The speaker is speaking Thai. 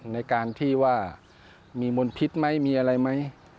ในการที่ว่ามีมลพิษไหมมีอะไรไหม